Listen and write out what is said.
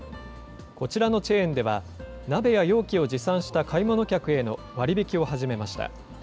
こちらのチェーンでは、鍋や容器を持参した買い物客への割引を始めました。